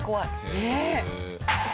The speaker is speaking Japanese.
ねえ！